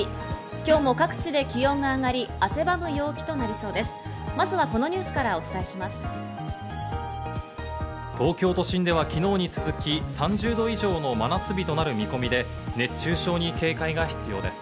今日も各地で気温が上がり、汗ばむ陽気となりそうです。